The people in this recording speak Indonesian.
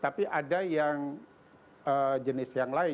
tapi ada yang jenis yang lain